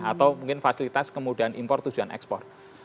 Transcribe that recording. atau mungkin fasilitas kemudahan impor tujuan ekspor